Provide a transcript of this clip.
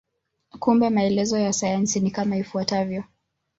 Kumbe maelezo ya sayansi ni kama ifuatavyo.